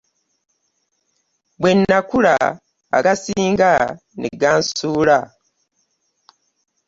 Bwe nakula agasinga ne ngasuula.